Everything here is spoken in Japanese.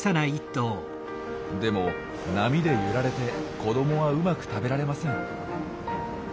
でも波で揺られて子どもはうまく食べられません。